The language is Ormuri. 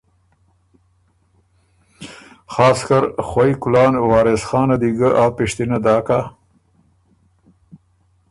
خاصکر خوئ کُلان وارث خانه دی ګه آ پِشتِنه داک هۀ؟